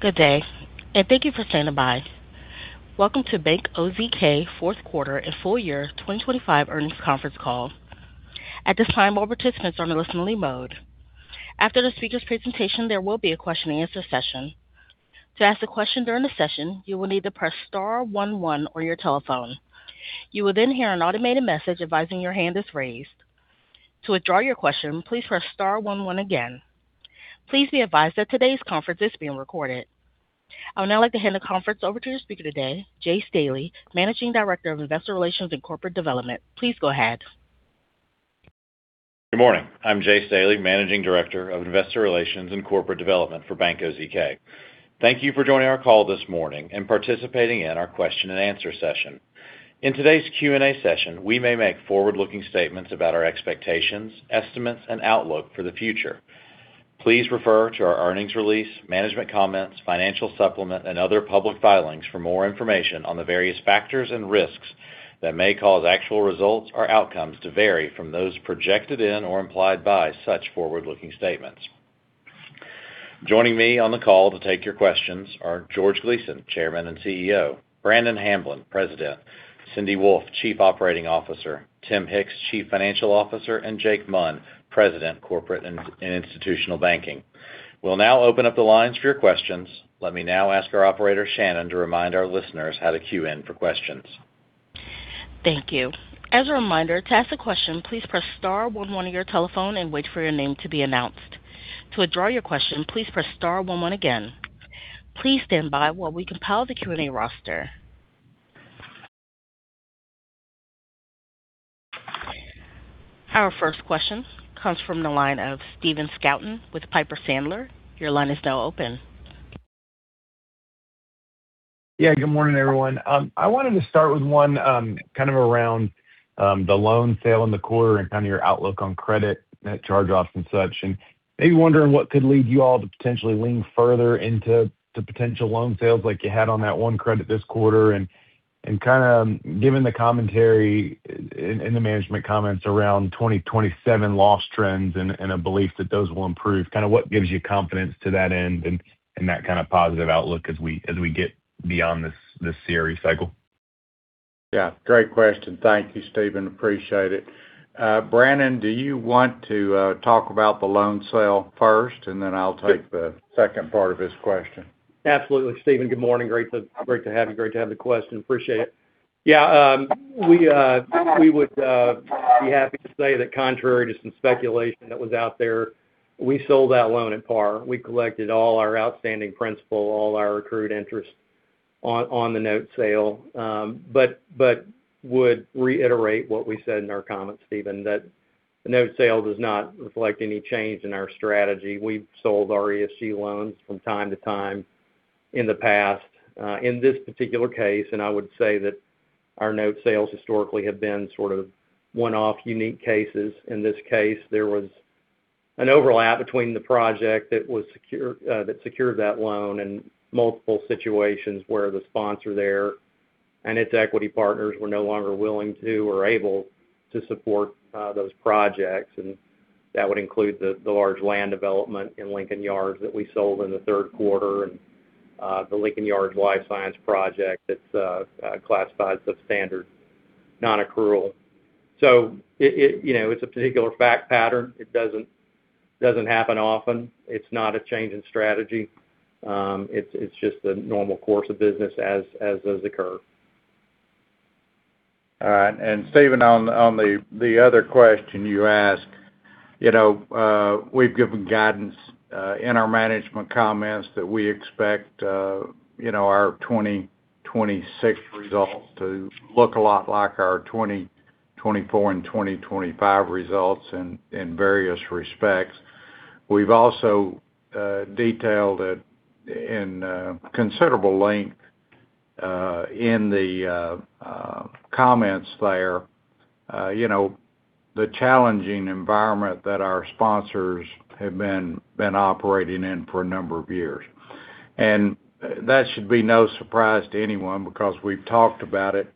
Good day, and thank you for standing by. Welcome to Bank OZK fourth quarter and full year 2025 earnings conference call. At this time, all participants are in a listen-only mode. After the speaker's presentation, there will be a question-and-answer session. To ask a question during the session, you will need to press star one one on your telephone. You will then hear an automated message advising your hand is raised. To withdraw your question, please press star one one again. Please be advised that today's conference is being recorded. I would now like to hand the conference over to your speaker today, Jay Staley, Managing Director of Investor Relations and Corporate Development. Please go ahead. Good morning. I'm Jay Staley, Managing Director of Investor Relations and Corporate Development for Bank OZK. Thank you for joining our call this morning and participating in our question-and-answer session. In today's Q&A session, we may make forward-looking statements about our expectations, estimates, and outlook for the future. Please refer to our earnings release, management comments, financial supplement, and other public filings for more information on the various factors and risks that may cause actual results or outcomes to vary from those projected in or implied by such forward-looking statements. Joining me on the call to take your questions are George Gleason, Chairman and CEO, Brannon Hamblen, President, Cindy Wolfe, Chief Operating Officer, Tim Hicks, Chief Financial Officer, and Jake Munn, President, Corporate and Institutional Banking. We'll now open up the lines for your questions. Let me now ask our operator, Shannon, to remind our listeners how to queue in for questions. Thank you. As a reminder, to ask a question, please press star one one on your telephone and wait for your name to be announced. To withdraw your question, please press star one one again. Please stand by while we compile the Q&A roster. Our first question comes from the line of Stephen Scouton with Piper Sandler. Your line is now open. Yeah, good morning, everyone. I wanted to start with one kind of around the loan sale in the quarter and kind of your outlook on credit charge-offs and such, and maybe wondering what could lead you all to potentially lean further into potential loan sales like you had on that one credit this quarter. And kind of given the commentary in the management comments around 2027 loss trends and a belief that those will improve, kind of what gives you confidence to that end and that kind of positive outlook as we get beyond this credit cycle? Yeah, great question. Thank you, Stephen. Appreciate it. Brannon, do you want to talk about the loan sale first, and then I'll take the second part of his question? Absolutely. Stephen, good morning. Great to have you. Great to have the question. Appreciate it. Yeah, we would be happy to say that, contrary to some speculation that was out there, we sold that loan at par. We collected all our outstanding principal, all our accrued interest on the note sale, but would reiterate what we said in our comments, Stephen, that the note sale does not reflect any change in our strategy. We've sold our RESG loans from time to time in the past. In this particular case, and I would say that our note sales historically have been sort of one-off unique cases. In this case, there was an overlap between the project that secured that loan and multiple situations where the sponsor there and its equity partners were no longer willing to or able to support those projects. That would include the large land development in Lincoln Yards that we sold in the third quarter and the Lincoln Yards life science project that's classified substandard, non-accrual. It's a particular fact pattern. It doesn't happen often. It's not a change in strategy. It's just the normal course of business as those occur. All right. And Stephen, on the other question you asked, we've given guidance in our management comments that we expect our 2026 results to look a lot like our 2024 and 2025 results in various respects. We've also detailed it in considerable length in the comments there, the challenging environment that our sponsors have been operating in for a number of years. And that should be no surprise to anyone because we've talked about it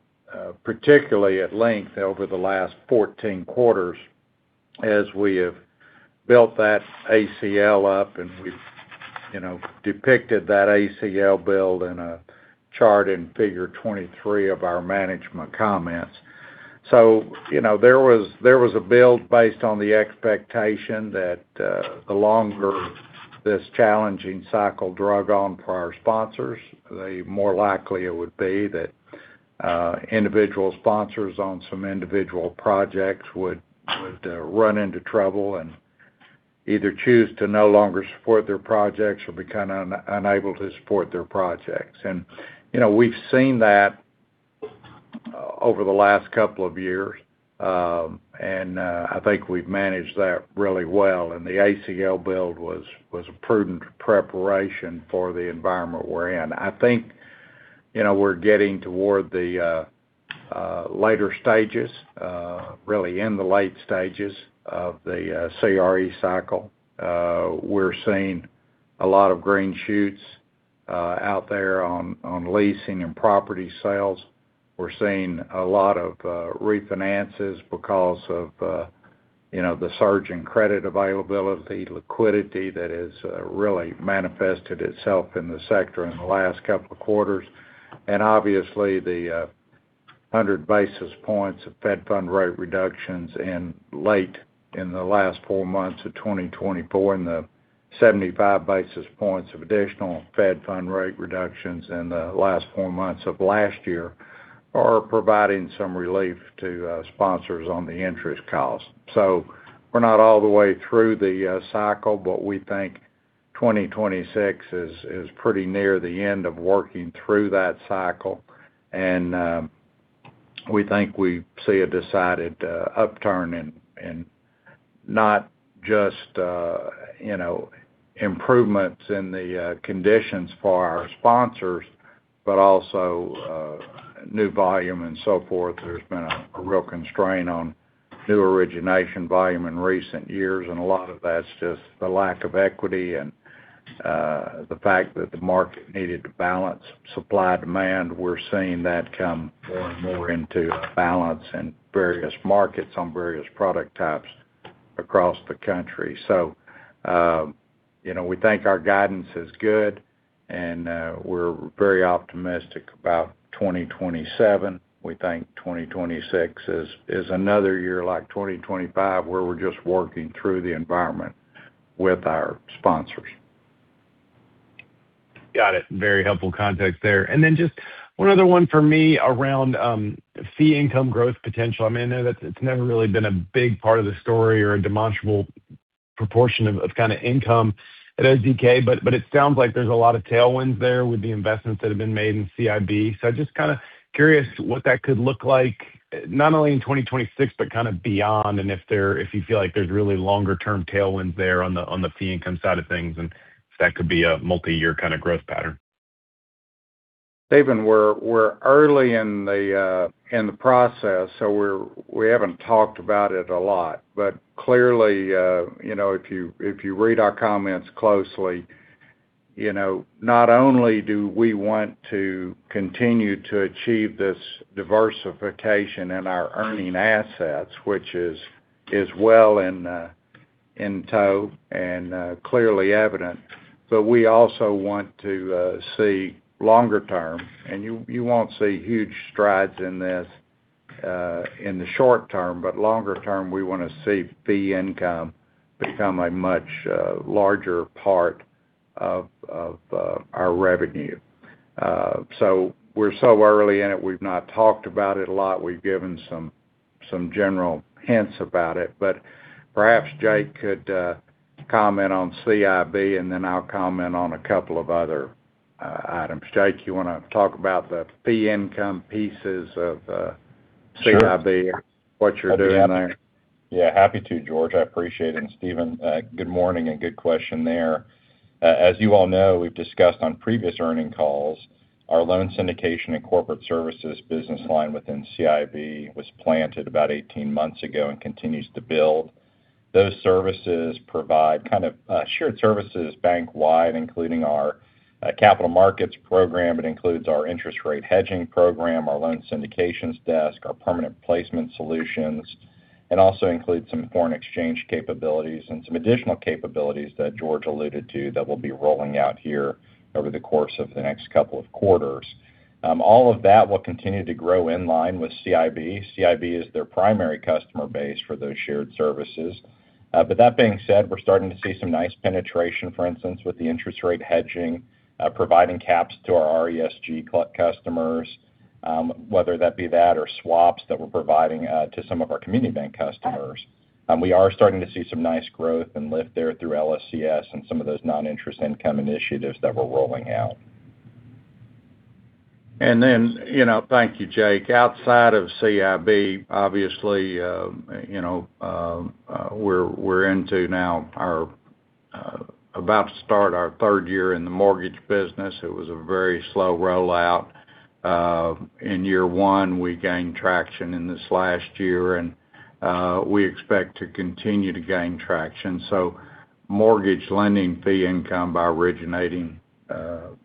particularly at length over the last 14 quarters as we have built that ACL up, and we've depicted that ACL build in a chart in Figure 23 of our management comments. There was a build based on the expectation that the longer this challenging cycle dragged on for our sponsors, the more likely it would be that individual sponsors on some individual projects would run into trouble and either choose to no longer support their projects or become unable to support their projects. We've seen that over the last couple of years, and I think we've managed that really well. The ACL build was a prudent preparation for the environment we're in. I think we're getting toward the later stages, really in the late stages of the CRE cycle. We're seeing a lot of green shoots out there on leasing and property sales. We're seeing a lot of refinances because of the surge in credit availability, liquidity that has really manifested itself in the sector in the last couple of quarters. And obviously, the 100 basis points of Fed Funds Rate reductions in the last four months of 2024 and the 75 basis points of additional Fed Funds Rate reductions in the last four months of last year are providing some relief to sponsors on the interest cost. So we're not all the way through the cycle, but we think 2026 is pretty near the end of working through that cycle. And we think we see a decided upturn in not just improvements in the conditions for our sponsors, but also new volume and so forth. There's been a real constraint on new origination volume in recent years, and a lot of that's just the lack of equity and the fact that the market needed to balance supply-demand. We're seeing that come more and more into balance in various markets on various product types across the country. So we think our guidance is good, and we're very optimistic about 2027. We think 2026 is another year like 2025 where we're just working through the environment with our sponsors. Got it. Very helpful context there, and then just one other one for me around fee income growth potential. I mean, I know that it's never really been a big part of the story or a demonstrable proportion of kind of income at OZK, but it sounds like there's a lot of tailwinds there with the investments that have been made in CIB, so I'm just kind of curious what that could look like, not only in 2026, but kind of beyond, and if you feel like there's really longer-term tailwinds there on the fee income side of things and if that could be a multi-year kind of growth pattern. Stephen, we're early in the process, so we haven't talked about it a lot. But clearly, if you read our comments closely, not only do we want to continue to achieve this diversification in our earning assets, which is well underway and clearly evident, but we also want to see longer-term. And you won't see huge strides in this in the short term, but longer-term, we want to see fee income become a much larger part of our revenue. So we're so early in it, we've not talked about it a lot. We've given some general hints about it. But perhaps Jake could comment on CIB, and then I'll comment on a couple of other items. Jake, you want to talk about the fee income pieces of CIB, what you're doing there? Yeah, happy to, George. I appreciate it. And Stephen, good morning and good question there. As you all know, we've discussed on previous earnings calls, our loan syndication and corporate services business line within CIB was launched about 18 months ago and continues to build. Those services provide kind of shared services bank-wide, including our capital markets program. It includes our interest rate hedging program, our loan syndications desk, our permanent placement solutions, and also includes some foreign exchange capabilities and some additional capabilities that George alluded to that we'll be rolling out here over the course of the next couple of quarters. All of that will continue to grow in line with CIB. CIB is their primary customer base for those shared services. But that being said, we're starting to see some nice penetration, for instance, with the interest rate hedging, providing caps to our RESG customers, whether that be that or swaps that we're providing to some of our community bank customers. We are starting to see some nice growth and lift there through LSCS and some of those non-interest income initiatives that we're rolling out. And then, thank you, Jake. Outside of CIB, obviously, we're into now about to start our third year in the mortgage business. It was a very slow rollout. In year one, we gained traction in this last year, and we expect to continue to gain traction. So, mortgage lending fee income by originating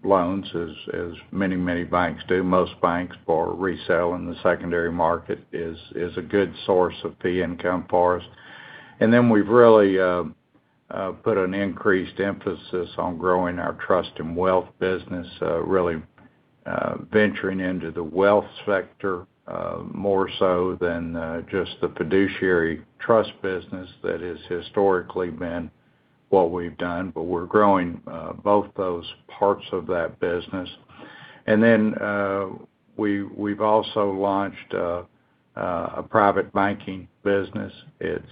loans, as many, many banks do, most banks, for resale in the secondary market is a good source of fee income for us. And then, we've really put an increased emphasis on growing our trust and wealth business, really venturing into the wealth sector more so than just the fiduciary trust business that has historically been what we've done. But we're growing both those parts of that business. And then, we've also launched a private banking business. It's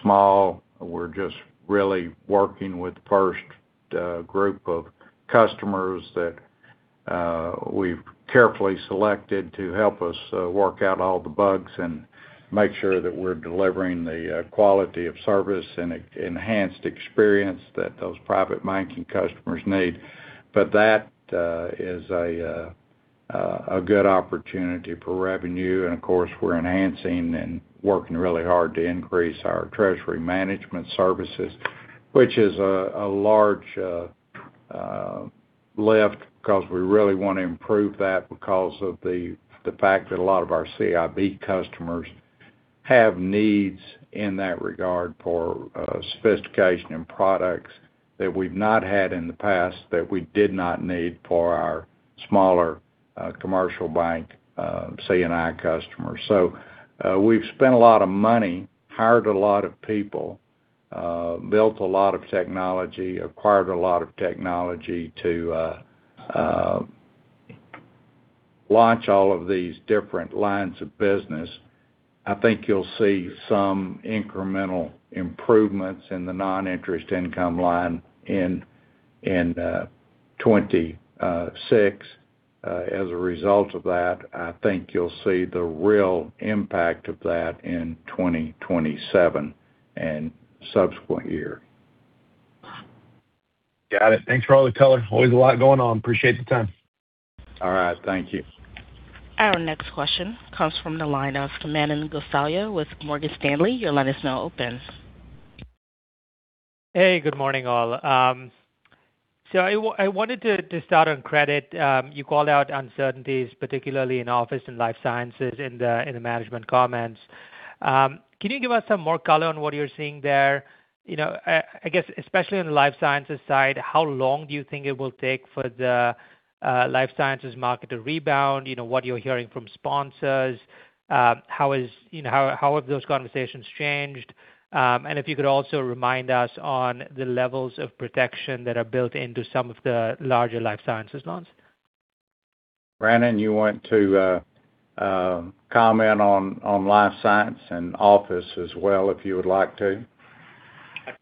small. We're just really working with the first group of customers that we've carefully selected to help us work out all the bugs and make sure that we're delivering the quality of service and enhanced experience that those Private Banking customers need. But that is a good opportunity for revenue. And of course, we're enhancing and working really hard to increase our treasury management services, which is a large lift because we really want to improve that because of the fact that a lot of our CIB customers have needs in that regard for sophistication and products that we've not had in the past that we did not need for our smaller commercial bank C&I customers. So we've spent a lot of money, hired a lot of people, built a lot of technology, acquired a lot of technology to launch all of these different lines of business. I think you'll see some incremental improvements in the non-interest income line in 2026. As a result of that, I think you'll see the real impact of that in 2027 and subsequent years. Got it. Thanks for all the color. Always a lot going on. Appreciate the time. All right. Thank you. Our next question comes from the line of Manan Gosalia with Morgan Stanley. Your line is open. Hey, good morning all. So I wanted to start on credit. You called out uncertainties, particularly in office and life sciences in the management comments. Can you give us some more color on what you're seeing there? I guess, especially on the life sciences side, how long do you think it will take for the life sciences market to rebound? What you're hearing from sponsors? How have those conversations changed? And if you could also remind us on the levels of protection that are built into some of the larger life sciences loans. Brannon, you want to comment on life science and office as well, if you would like to?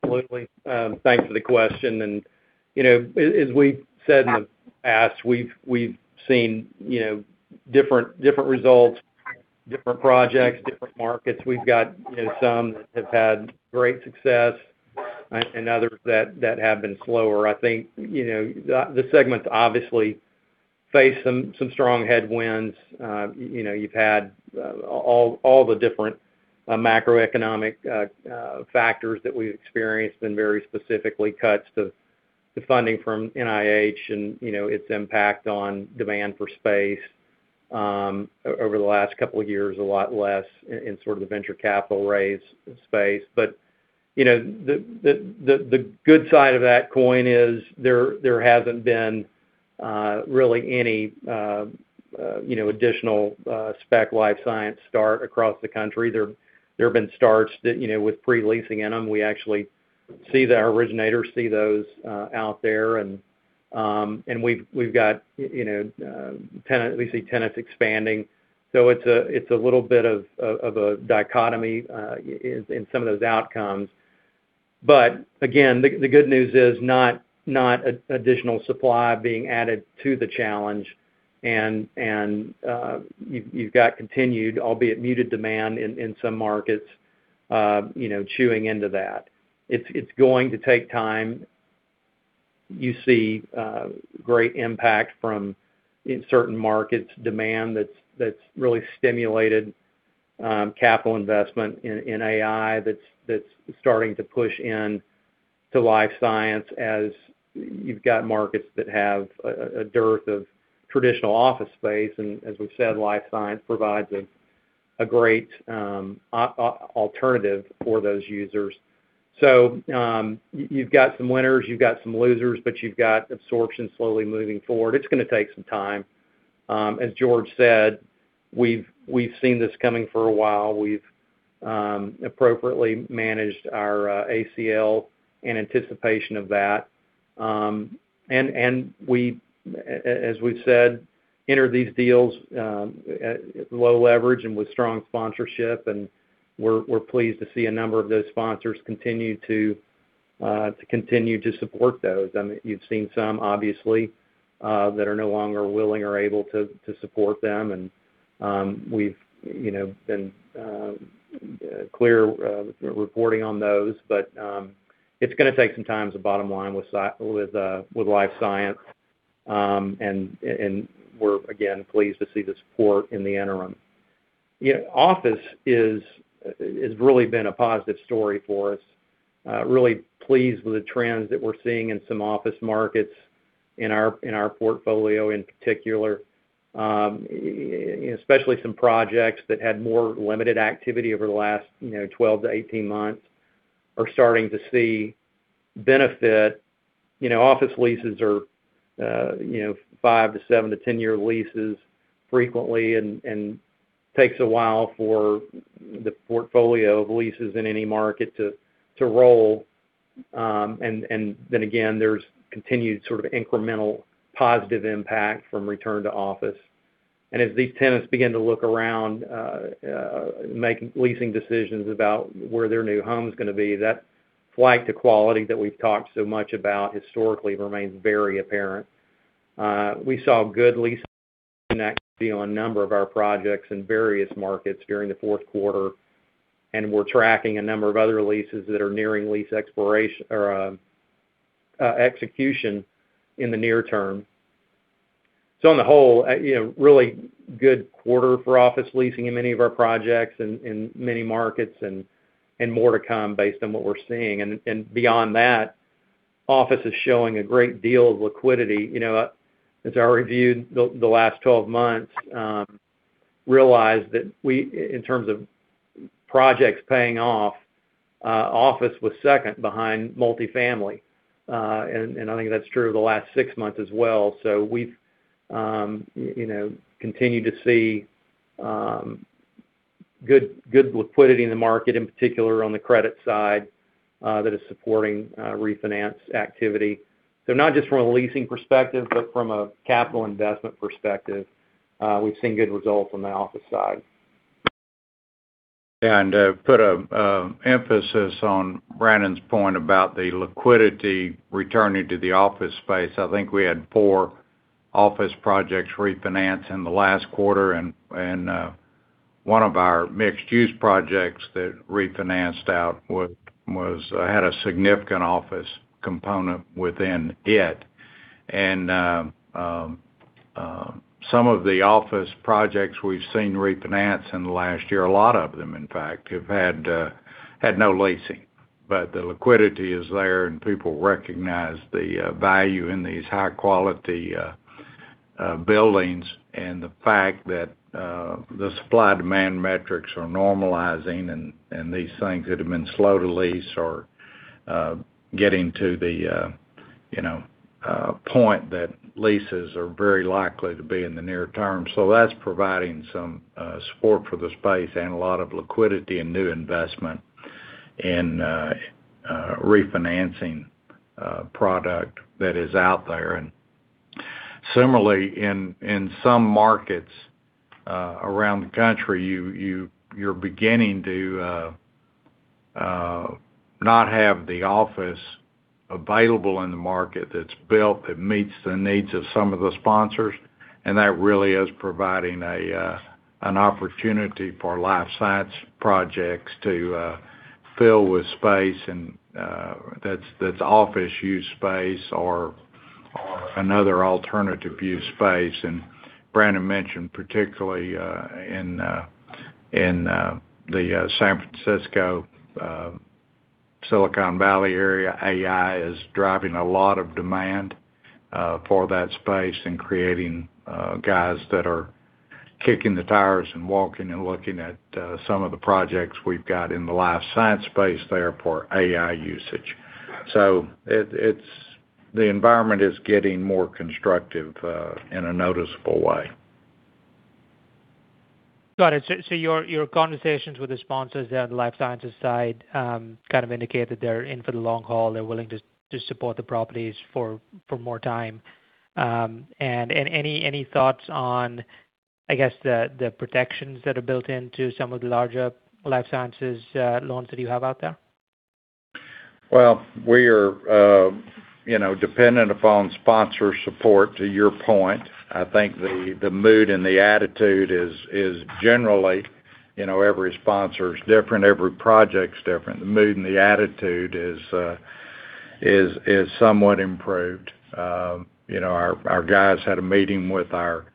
Absolutely. Thanks for the question. And as we've said in the past, we've seen different results, different projects, different markets. We've got some that have had great success and others that have been slower. I think the segments obviously face some strong headwinds. You've had all the different macroeconomic factors that we've experienced and very specifically cuts to funding from NIH and its impact on demand for space over the last couple of years, a lot less in sort of the venture capital raise space. But the good side of that coin is there hasn't been really any additional spec life science start across the country. There have been starts with pre-leasing in them. We actually see the originators see those out there. And we've got tenants, we see tenants expanding. So it's a little bit of a dichotomy in some of those outcomes. But again, the good news is not additional supply being added to the challenge. And you've got continued, albeit muted demand in some markets chewing into that. It's going to take time. You see great impact from certain markets' demand that's really stimulated capital investment in AI that's starting to push into life science as you've got markets that have a dearth of traditional office space. And as we said, life science provides a great alternative for those users. So you've got some winners, you've got some losers, but you've got absorption slowly moving forward. It's going to take some time. As George said, we've seen this coming for a while. We've appropriately managed our ACL in anticipation of that. And we, as we've said, enter these deals at low leverage and with strong sponsorship. And we're pleased to see a number of those sponsors continue to support those. You've seen some, obviously, that are no longer willing or able to support them. And we've been clear reporting on those. But it's going to take some time, the bottom line, with life science. And we're, again, pleased to see the support in the interim. Office has really been a positive story for us. Really pleased with the trends that we're seeing in some office markets in our portfolio, in particular, especially some projects that had more limited activity over the last 12 months-18 months are starting to see benefit. Office leases are 5 to 7 to 10-year leases frequently, and it takes a while for the portfolio of leases in any market to roll. And then again, there's continued sort of incremental positive impact from return to office. And as these tenants begin to look around, making leasing decisions about where their new home is going to be, that flight to quality that we've talked so much about historically remains very apparent. We saw good lease activity on a number of our projects in various markets during the fourth quarter. And we're tracking a number of other leases that are nearing lease execution in the near term. So on the whole, really good quarter for office leasing in many of our projects in many markets and more to come based on what we're seeing. And beyond that, office is showing a great deal of liquidity. As I reviewed the last 12 months, I realized that in terms of projects paying off, office was second behind multifamily. And I think that's true of the last six months as well. So we've continued to see good liquidity in the market, in particular on the credit side that is supporting refinance activity. So not just from a leasing perspective, but from a capital investment perspective, we've seen good results on the office side. To put an emphasis on Brannon's point about the liquidity returning to the office space, I think we had four office projects refinance in the last quarter. One of our mixed-use projects that refinanced out had a significant office component within it. Some of the office projects we've seen refinance in the last year, a lot of them, in fact, have had no leasing. The liquidity is there, and people recognize the value in these high-quality buildings. The fact that the supply-demand metrics are normalizing and these things that have been slow to lease are getting to the point that leases are very likely to be in the near term. That's providing some support for the space and a lot of liquidity and new investment in refinancing product that is out there. And similarly, in some markets around the country, you're beginning to not have the office available in the market that's built that meets the needs of some of the sponsors. And that really is providing an opportunity for life science projects to fill with space that's office-use space or another alternative-use space. And Brannon mentioned, particularly in the San Francisco Silicon Valley area, AI is driving a lot of demand for that space and creating guys that are kicking the tires and walking and looking at some of the projects we've got in the life science space there for AI usage. So the environment is getting more constructive in a noticeable way. Got it. So your conversations with the sponsors there on the life sciences side kind of indicate that they're in for the long haul. They're willing to support the properties for more time. And any thoughts on, I guess, the protections that are built into some of the larger life sciences loans that you have out there? We are dependent upon sponsor support to your point. I think the mood and the attitude is generally every sponsor is different. Every project is different. The mood and the attitude is somewhat improved. Our guys had a meeting with our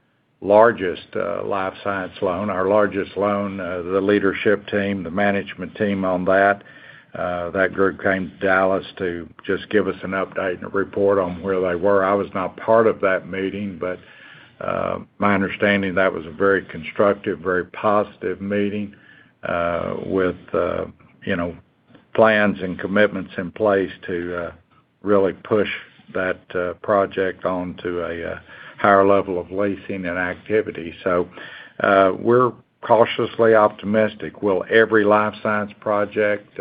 largest life science loan, our largest loan, the leadership team, the management team on that. That group came to Dallas to just give us an update and a report on where they were. I was not part of that meeting, but my understanding that was a very constructive, very positive meeting with plans and commitments in place to really push that project on to a higher level of leasing and activity. So we're cautiously optimistic. Will every life science project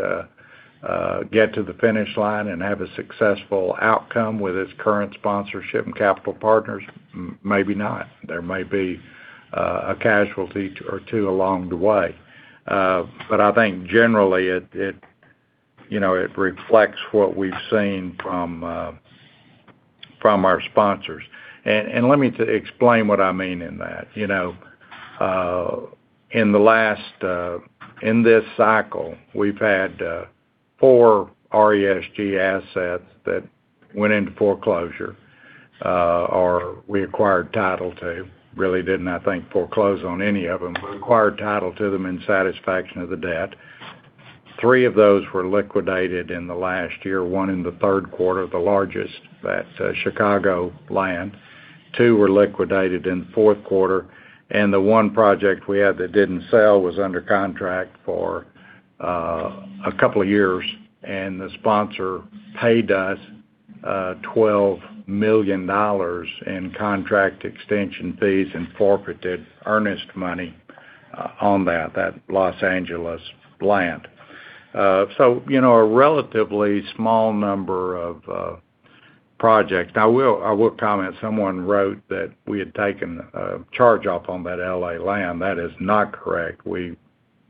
get to the finish line and have a successful outcome with its current sponsorship and capital partners? Maybe not. There may be a casualty or two along the way. But I think generally it reflects what we've seen from our sponsors. And let me explain what I mean in that. In this cycle, we've had four RESG assets that went into foreclosure or we acquired title to. Really didn't, I think, foreclose on any of them, but acquired title to them in satisfaction of the debt. Three of those were liquidated in the last year, one in the third quarter, the largest at Chicagoland. Two were liquidated in the fourth quarter. And the one project we had that didn't sell was under contract for a couple of years. And the sponsor paid us $12 million in contract extension fees and forfeited earnest money on that, that Los Angeles land. So a relatively small number of projects. Now, I will comment. Someone wrote that we had taken a charge-off on that LA land. That is not correct.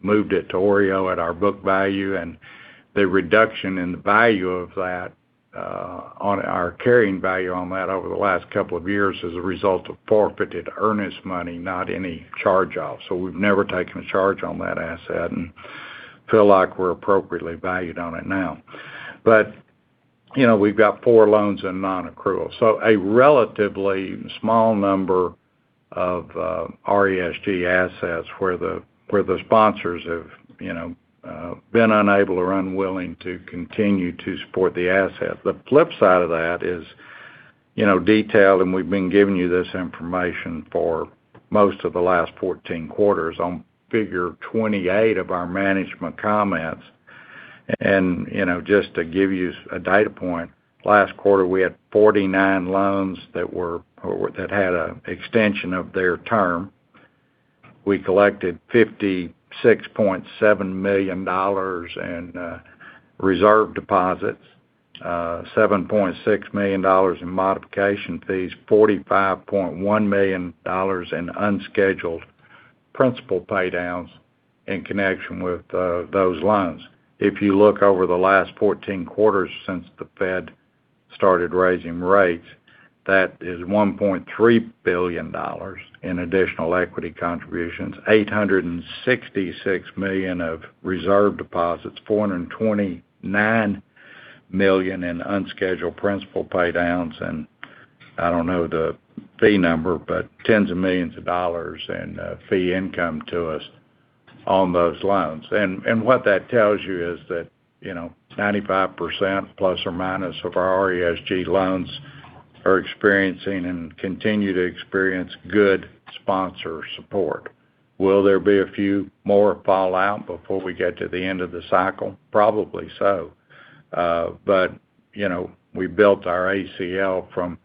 We moved it to OREO at our book value, and the reduction in the value of that, on our carrying value on that over the last couple of years is a result of forfeited earnest money, not any charge-off, so we've never taken a charge on that asset and feel like we're appropriately valued on it now, but we've got four loans in non-accrual, so a relatively small number of RESG assets where the sponsors have been unable or unwilling to continue to support the asset. The flip side of that is detailed, and we've been giving you this information for most of the last 14 quarters on figure 28 of our management comments. Just to give you a data point, last quarter we had 49 loans that had an extension of their term. We collected $56.7 million in reserve deposits, $7.6 million in modification fees, $45.1 million in unscheduled principal paydowns in connection with those loans. If you look over the last 14 quarters since the Fed started raising rates, that is $1.3 billion in additional equity contributions, $866 million of reserve deposits, $429 million in unscheduled principal paydowns. I don't know the fee number, but tens of millions of dollars in fee income to us on those loans. What that tells you is that 95% plus or minus of our RESG loans are experiencing and continue to experience good sponsor support. Will there be a few more fallout before we get to the end of the cycle? Probably so. But we built our ACL from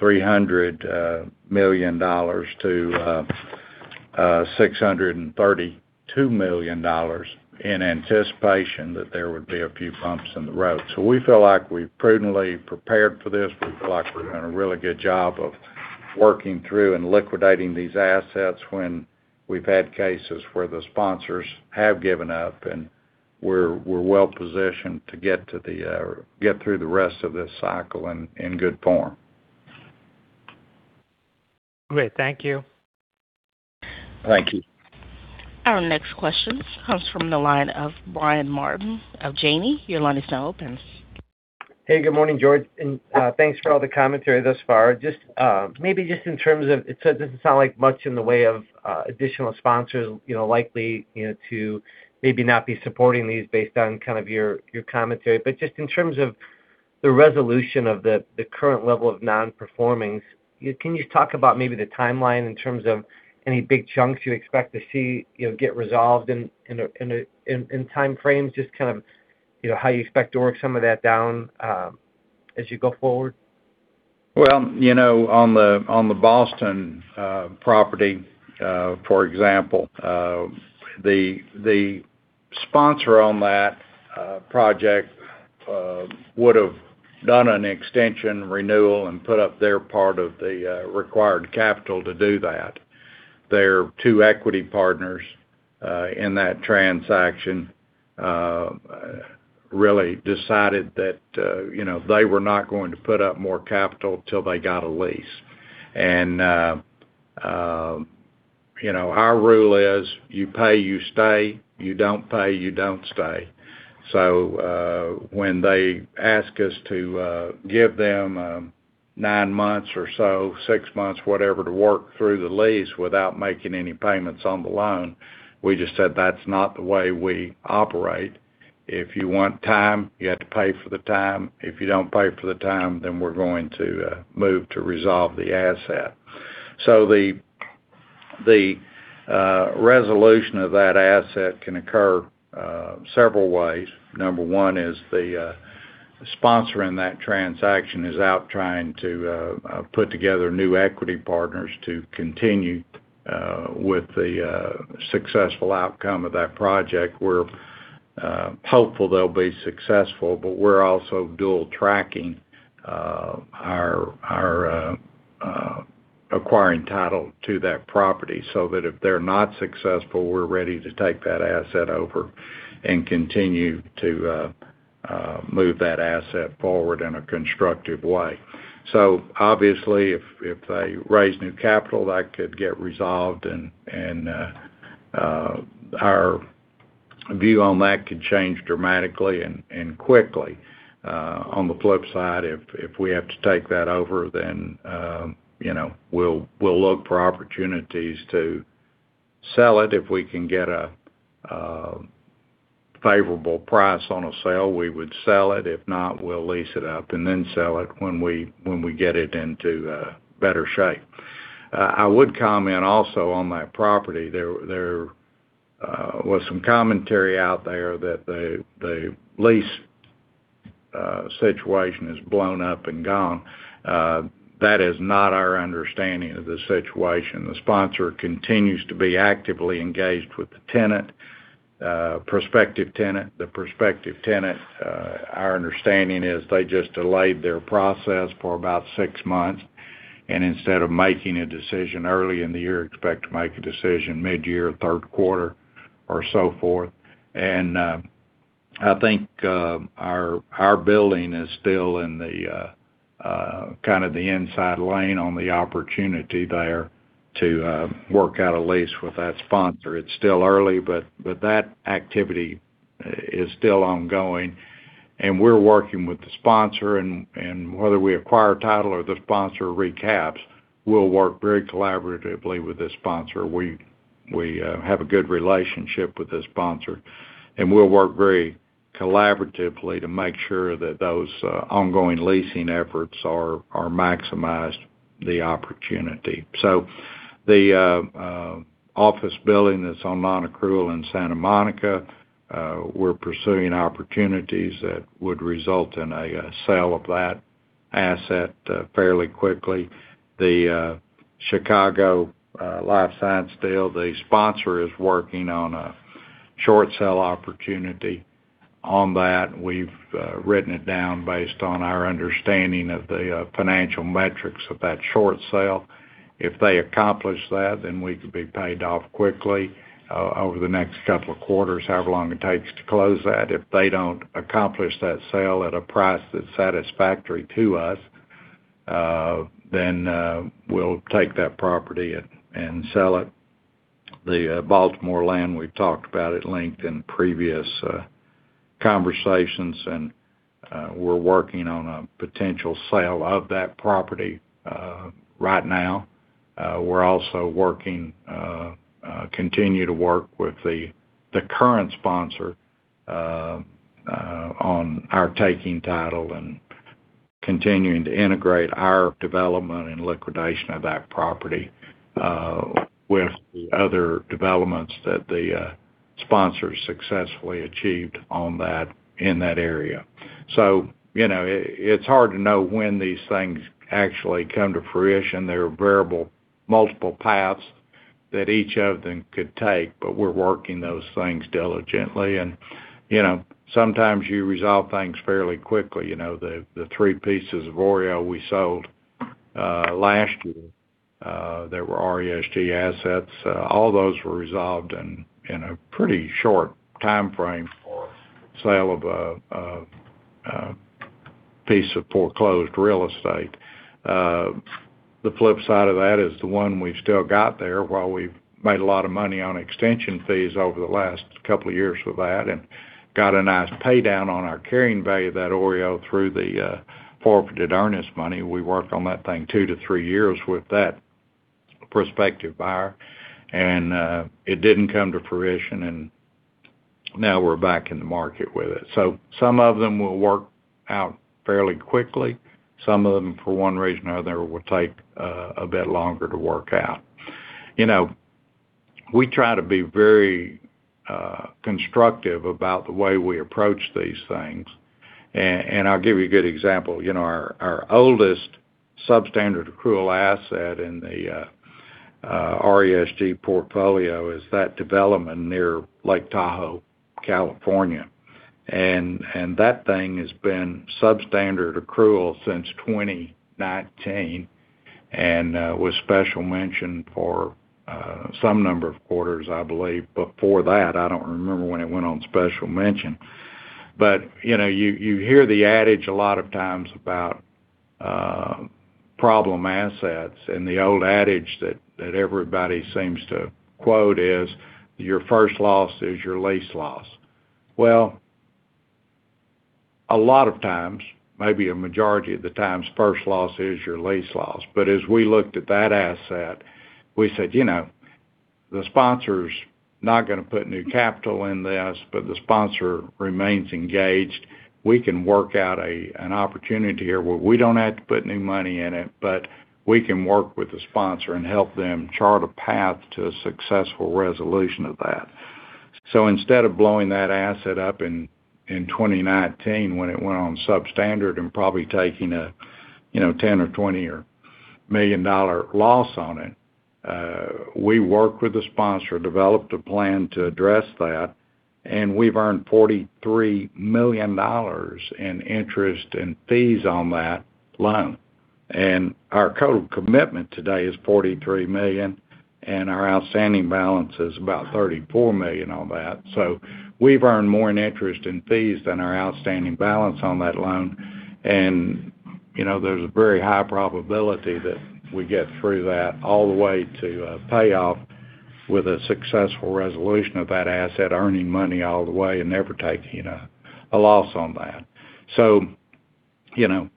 $300 million to $632 million in anticipation that there would be a few bumps in the road. So we feel like we've prudently prepared for this. We feel like we're doing a really good job of working through and liquidating these assets when we've had cases where the sponsors have given up. And we're well-positioned to get through the rest of this cycle in good form. Great. Thank you. Thank you. Our next question comes from the line of Brian Martin, of Janney. Your line is now open. Hey, good morning, George. And thanks for all the commentary thus far. Maybe just in terms of it doesn't sound like much in the way of additional sponsors likely to maybe not be supporting these based on kind of your commentary. But just in terms of the resolution of the current level of non-performings, can you talk about maybe the timeline in terms of any big chunks you expect to see get resolved in time frames, just kind of how you expect to work some of that down as you go forward? On the Boston property, for example, the sponsor on that project would have done an extension renewal and put up their part of the required capital to do that. Their two equity partners in that transaction really decided that they were not going to put up more capital until they got a lease, and our rule is you pay, you stay. You don't pay, you don't stay, so when they ask us to give them nine months or so, six months, whatever to work through the lease without making any payments on the loan, we just said that's not the way we operate. If you want time, you have to pay for the time. If you don't pay for the time, then we're going to move to resolve the asset, so the resolution of that asset can occur several ways. Number one is the sponsor in that transaction is out trying to put together new equity partners to continue with the successful outcome of that project. We're hopeful they'll be successful, but we're also dual-tracking our acquiring title to that property so that if they're not successful, we're ready to take that asset over and continue to move that asset forward in a constructive way, so obviously, if they raise new capital, that could get resolved, and our view on that could change dramatically and quickly. On the flip side, if we have to take that over, then we'll look for opportunities to sell it. If we can get a favorable price on a sale, we would sell it. If not, we'll lease it up and then sell it when we get it into better shape. I would comment also on that property. There was some commentary out there that the lease situation has blown up and gone. That is not our understanding of the situation. The sponsor continues to be actively engaged with the prospective tenant. The prospective tenant, our understanding is they just delayed their process for about six months and instead of making a decision early in the year, expect to make a decision mid-year, third quarter, or so forth, and I think our building is still in kind of the inside lane on the opportunity there to work out a lease with that sponsor. It's still early, but that activity is still ongoing, and we're working with the sponsor, and whether we acquire title or the sponsor recaps, we'll work very collaboratively with the sponsor. We have a good relationship with the sponsor. We'll work very collaboratively to make sure that those ongoing leasing efforts are maximized the opportunity. The office building that's on non-accrual in Santa Monica, we're pursuing opportunities that would result in a sale of that asset fairly quickly. The Chicago Life Science Deal, the sponsor is working on a short sale opportunity on that. We've written it down based on our understanding of the financial metrics of that short sale. If they accomplish that, then we could be paid off quickly over the next couple of quarters, however long it takes to close that. If they don't accomplish that sale at a price that's satisfactory to us, then we'll take that property and sell it. The Baltimore land, we've talked about at length in previous conversations. We're working on a potential sale of that property right now. We're also working, continue to work with the current sponsor on our taking title and continuing to integrate our development and liquidation of that property with the other developments that the sponsor successfully achieved in that area. So it's hard to know when these things actually come to fruition. There are multiple paths that each of them could take, but we're working those things diligently, and sometimes you resolve things fairly quickly. The three pieces of OREO we sold last year that were RESG assets, all those were resolved in a pretty short time frame for sale of a piece of foreclosed real estate. The flip side of that is the one we've still got there while we've made a lot of money on extension fees over the last couple of years with that and got a nice paydown on our carrying value of that OREO through the forfeited earnest money. We worked on that thing two to three years with that prospective buyer. And it didn't come to fruition. And now we're back in the market with it. So some of them will work out fairly quickly. Some of them, for one reason or another, will take a bit longer to work out. We try to be very constructive about the way we approach these things. And I'll give you a good example. Our oldest substandard accrual asset in the RESG portfolio is that development near Lake Tahoe, California. And that thing has been substandard accrual since 2019 and was special mention for some number of quarters, I believe. But before that, I don't remember when it went on special mention. But you hear the adage a lot of times about problem assets. And the old adage that everybody seems to quote is, "Your first loss is your lease loss." Well, a lot of times, maybe a majority of the times, first loss is your lease loss. But as we looked at that asset, we said, "The sponsor's not going to put new capital in this, but the sponsor remains engaged. We can work out an opportunity here where we don't have to put new money in it, but we can work with the sponsor and help them chart a path to a successful resolution of that. So instead of blowing that asset up in 2019 when it went on substandard and probably taking a $10 or $20 or million dollar loss on it, we worked with the sponsor, developed a plan to address that. And we've earned $43 million in interest and fees on that loan. And our total commitment today is $43 million. And our outstanding balance is about $34 million on that. So we've earned more in interest and fees than our outstanding balance on that loan. And there's a very high probability that we get through that all the way to payoff with a successful resolution of that asset, earning money all the way and never taking a loss on that. So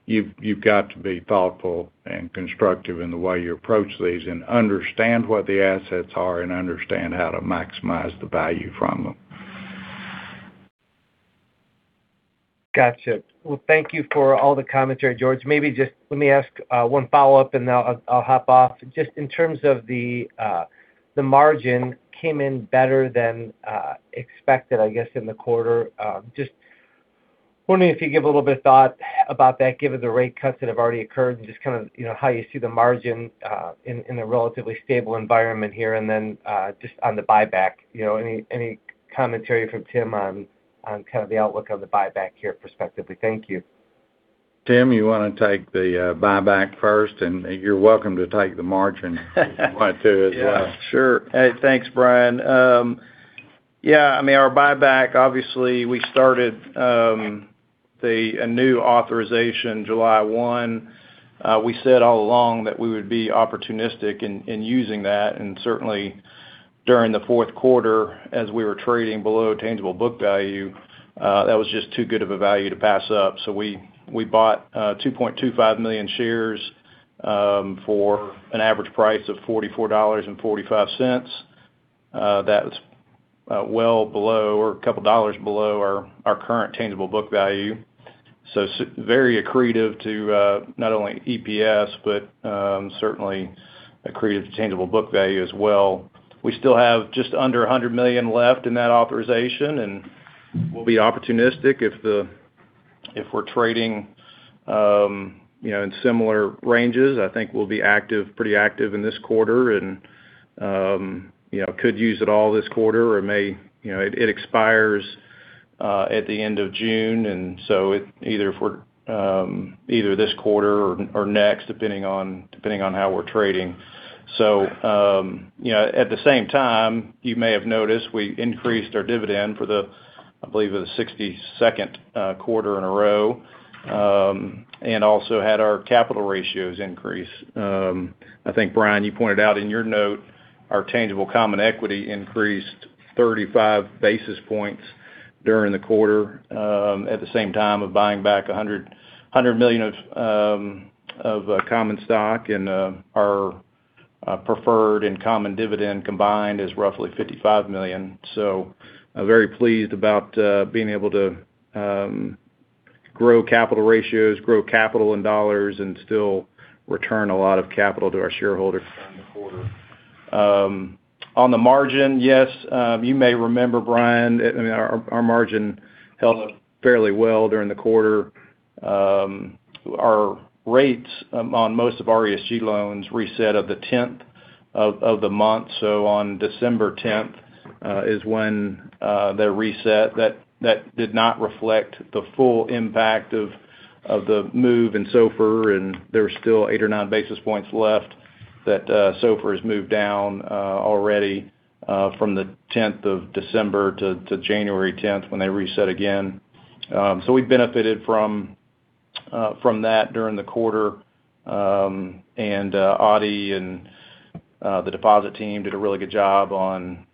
you've got to be thoughtful and constructive in the way you approach these and understand what the assets are and understand how to maximize the value from them. Gotcha. Well, thank you for all the commentary, George. Maybe just let me ask one follow-up, and then I'll hop off. Just in terms of the margin, came in better than expected, I guess, in the quarter. Just wondering if you give a little bit of thought about that, given the rate cuts that have already occurred and just kind of how you see the margin in a relatively stable environment here. And then just on the buyback, any commentary from Tim on kind of the outlook on the buyback here prospectively? Thank you. Tim, you want to take the buyback first, and you're welcome to take the margin if you want to as well. Yeah. Sure. Hey, thanks, Brian. Yeah. I mean, our buyback, obviously, we started a new authorization July 1. We said all along that we would be opportunistic in using that. And certainly, during the fourth quarter, as we were trading below tangible book value, that was just too good of a value to pass up. So we bought $2.25 million shares for an average price of $44.45. That was well below or a couple of dollars below our current tangible book value. So very accretive to not only EPS, but certainly accretive to tangible book value as well. We still have just under 100 million left in that authorization. And we'll be opportunistic if we're trading in similar ranges. I think we'll be pretty active in this quarter and could use it all this quarter. It expires at the end of June. And so either this quarter or next, depending on how we're trading. So at the same time, you may have noticed we increased our dividend for, I believe, the 62nd quarter in a row and also had our capital ratios increase. I think, Brian, you pointed out in your note, our tangible common equity increased 35 basis points during the quarter at the same time of buying back $100 million of common stock. And our preferred and common dividend combined is roughly $55 million. So very pleased about being able to grow capital ratios, grow capital in dollars, and still return a lot of capital to our shareholders during the quarter. On the margin, yes. You may remember, Brian, I mean, our margin held fairly well during the quarter. Our rates on most of our RESG loans reset on the 10th of the month. So on December 10th is when they're reset. That did not reflect the full impact of the move in SOFR. And there were still eight or nine basis points left that SOFR has moved down already from the 10th of December to January 10th when they reset again. So we benefited from that during the quarter. And Audi and the deposit team did a really good job on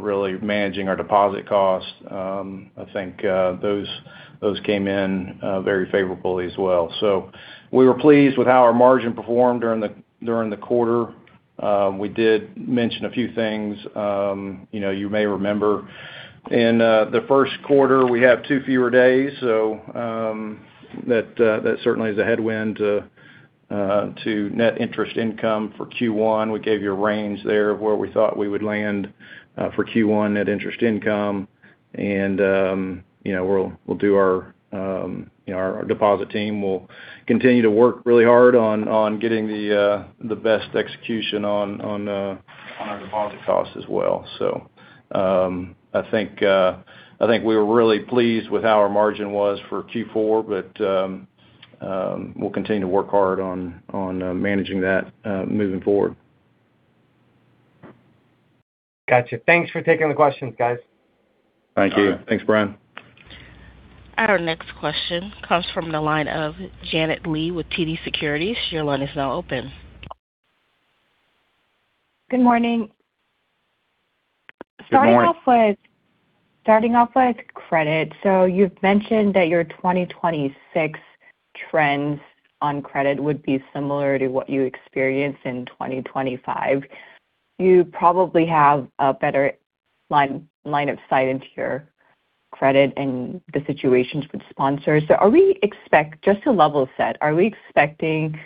really managing our deposit costs. I think those came in very favorably as well. So we were pleased with how our margin performed during the quarter. We did mention a few things you may remember. In the first quarter, we have two fewer days. So that certainly is a headwind to net interest income for Q1. We gave you a range there of where we thought we would land for Q1 net interest income. And we'll do our deposit team will continue to work really hard on getting the best execution on our deposit costs as well. So I think we were really pleased with how our margin was for Q4, but we'll continue to work hard on managing that moving forward. Gotcha. Thanks for taking the questions, guys. Thank you. Thanks, Brian. Our next question comes from the line of Janet Lee with TD Securities. Your line is now open. Good morning. Good morning. Starting off with credit. So you've mentioned that your 2026 trends on credit would be similar to what you experienced in 2025. You probably have a better line of sight into your credit and the situations with sponsors. So just to level set, are we expecting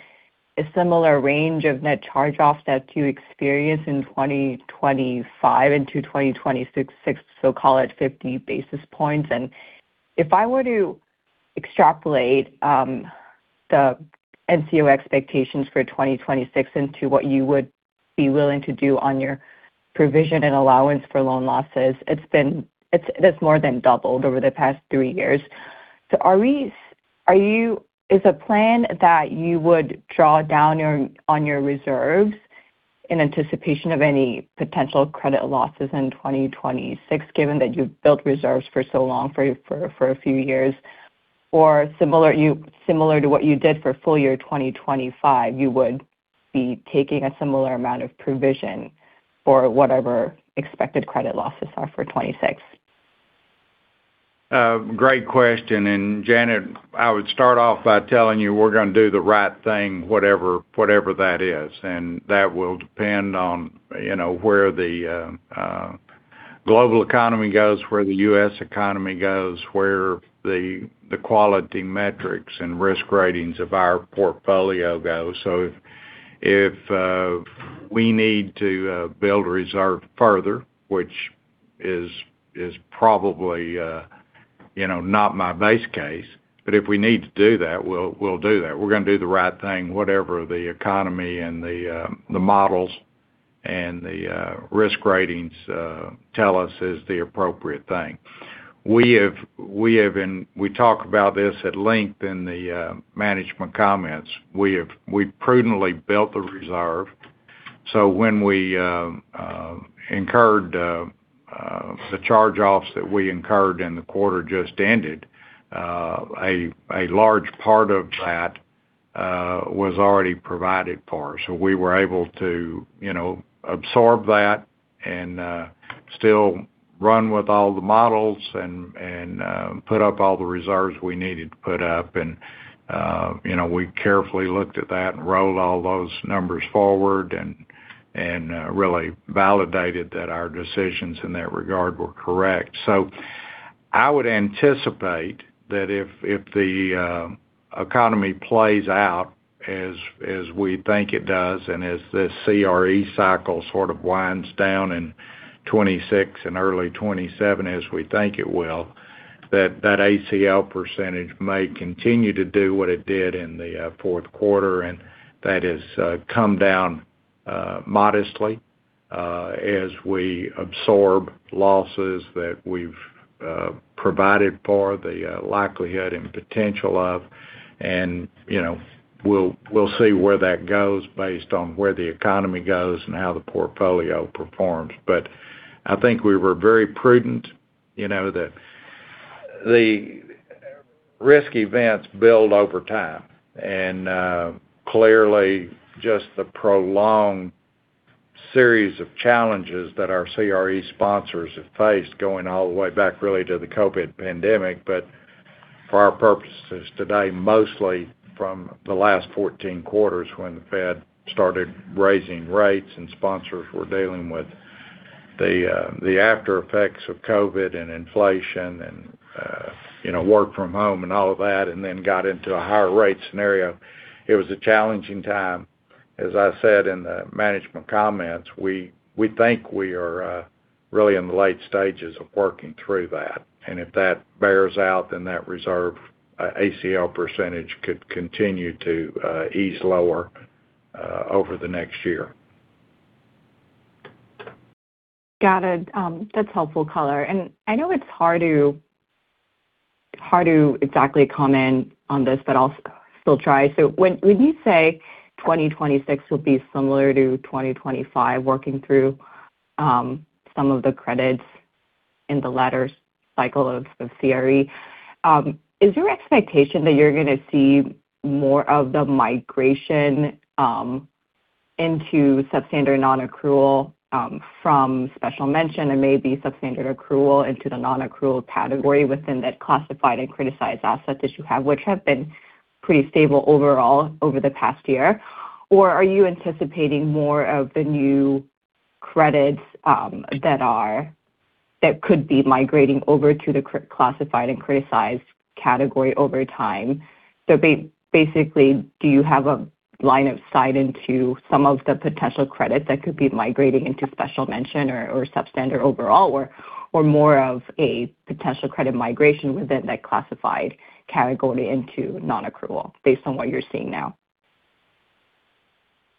a similar range of net charge-offs that you experienced in 2025 into 2026? So call it 50 basis points. And if I were to extrapolate the NCO expectations for 2026 into what you would be willing to do on your provision and allowance for loan losses, it's more than doubled over the past three years. So, is a plan that you would draw down on your reserves in anticipation of any potential credit losses in 2026, given that you've built reserves for so long for a few years, or similar to what you did for full year 2025, you would be taking a similar amount of provision for whatever expected credit losses are for 2026? Great question. And Janet, I would start off by telling you we're going to do the right thing, whatever that is. And that will depend on where the global economy goes, where the U.S. economy goes, where the quality metrics and risk ratings of our portfolio go. So if we need to build a reserve further, which is probably not my base case, but if we need to do that, we'll do that. We're going to do the right thing, whatever the economy and the models and the risk ratings tell us is the appropriate thing. We talk about this at length in the management comments. We've prudently built the reserve. So when we incurred the charge-offs that we incurred in the quarter just ended, a large part of that was already provided for. So we were able to absorb that and still run with all the models and put up all the reserves we needed to put up. And we carefully looked at that and rolled all those numbers forward and really validated that our decisions in that regard were correct. So I would anticipate that if the economy plays out as we think it does and as this CRE cycle sort of winds down in 2026 and early 2027, as we think it will, that ACL percentage may continue to do what it did in the fourth quarter. And that has come down modestly as we absorb losses that we've provided for, the likelihood and potential of. And we'll see where that goes based on where the economy goes and how the portfolio performs. But I think we were very prudent. The risk events build over time. Clearly, just the prolonged series of challenges that our CRE sponsors have faced going all the way back really to the COVID pandemic. For our purposes today, mostly from the last 14 quarters when the Fed started raising rates and sponsors were dealing with the aftereffects of COVID and inflation and work from home and all of that and then got into a higher rate scenario, it was a challenging time. As I said in the management comments, we think we are really in the late stages of working through that. If that bears out, then that reserve ACL percentage could continue to ease lower over the next year. Got it. That's helpful, color. And I know it's hard to exactly comment on this, but I'll still try. So when you say 2026 will be similar to 2025, working through some of the credits in the latter cycle of CRE, is your expectation that you're going to see more of the migration into substandard non-accrual from special mention and maybe substandard accrual into the non-accrual category within that classified and criticized asset that you have, which have been pretty stable overall over the past year? Or are you anticipating more of the new credits that could be migrating over to the classified and criticized category over time? So basically, do you have a line of sight into some of the potential credits that could be migrating into special mention or substandard overall, or more of a potential credit migration within that classified category into non-accrual based on what you're seeing now?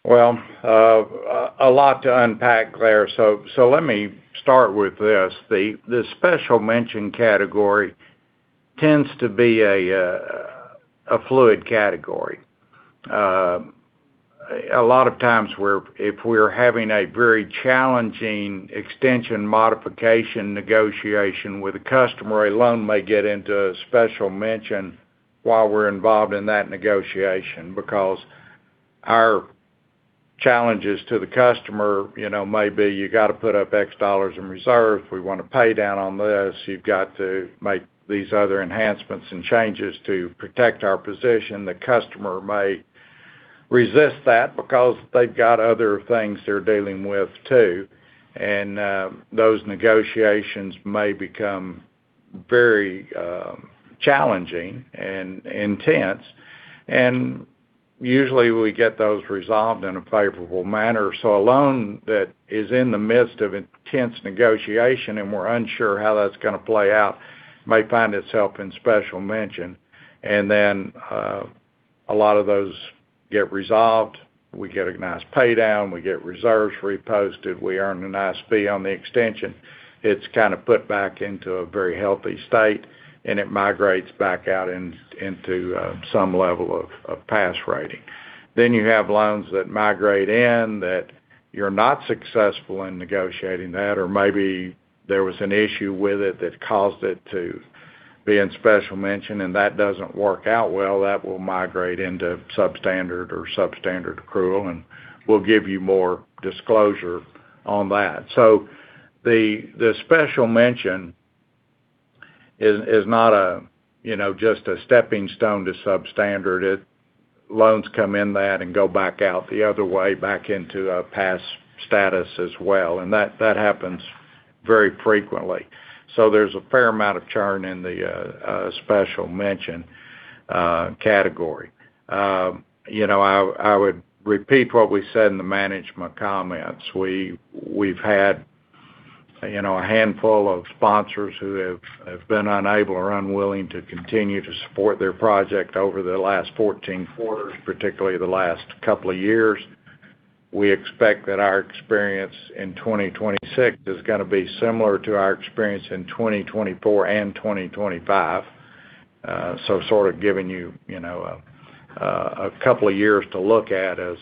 Well, a lot to unpack there. So let me start with this. The special mention category tends to be a fluid category. A lot of times, if we're having a very challenging extension modification negotiation with a customer, a loan may get into special mention while we're involved in that negotiation because our challenges to the customer may be, "You got to put up X dollars in reserves. We want to pay down on this. You've got to make these other enhancements and changes to protect our position." The customer may resist that because they've got other things they're dealing with too. And those negotiations may become very challenging and intense. And usually, we get those resolved in a favorable manner. So a loan that is in the midst of intense negotiation and we're unsure how that's going to play out may find itself in special mention. And then a lot of those get resolved. We get a nice paydown. We get reserves reposted. We earn a nice fee on the extension. It's kind of put back into a very healthy state, and it migrates back out into some level of pass rating. Then you have loans that migrate in that you're not successful in negotiating that, or maybe there was an issue with it that caused it to be in special mention, and that doesn't work out well. That will migrate into substandard or substandard accrual, and we'll give you more disclosure on that. So the special mention is not just a stepping stone to substandard. Loans come in that and go back out the other way, back into a pass status as well. And that happens very frequently. So there's a fair amount of churn in the special mention category. I would repeat what we said in the management comments. We've had a handful of sponsors who have been unable or unwilling to continue to support their project over the last 14 quarters, particularly the last couple of years. We expect that our experience in 2026 is going to be similar to our experience in 2024 and 2025. So sort of giving you a couple of years to look at as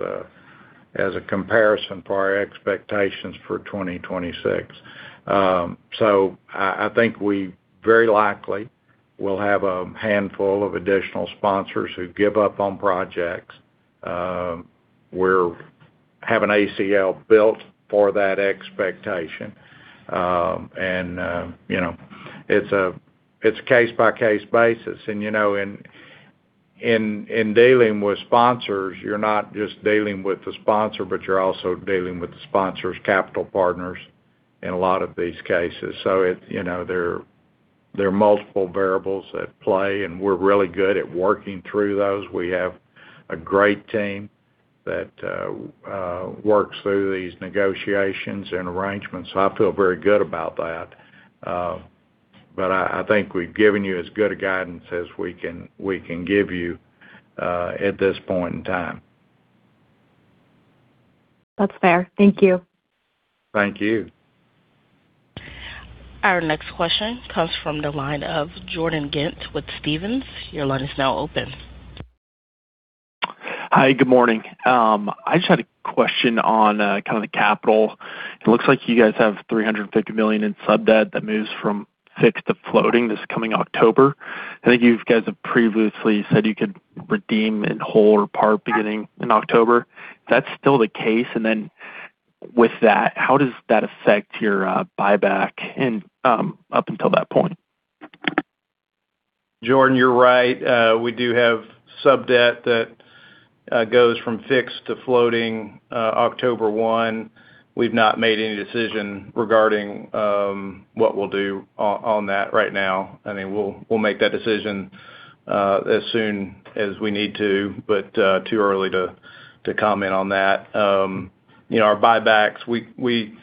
a comparison for our expectations for 2026. So I think we very likely will have a handful of additional sponsors who give up on projects. We have an ACL built for that expectation. And it's a case-by-case basis. And in dealing with sponsors, you're not just dealing with the sponsor, but you're also dealing with the sponsor's capital partners in a lot of these cases. So there are multiple variables at play, and we're really good at working through those. We have a great team that works through these negotiations and arrangements. I feel very good about that. But I think we've given you as good a guidance as we can give you at this point in time. That's fair. Thank you. Thank you. Our next question comes from the line of Jordan Ghent with Stephens. Your line is now open. Hi, good morning. I just had a question on kind of the capital. It looks like you guys have $350 million in subdebt that moves from fixed to floating this coming October. I think you guys have previously said you could redeem in whole or part beginning in October. If that's still the case, and then with that, how does that affect your buyback up until that point? Jordan, you're right. We do have subdebt that goes from fixed to floating October 1. We've not made any decision regarding what we'll do on that right now. I mean, we'll make that decision as soon as we need to, but too early to comment on that. Our buybacks, we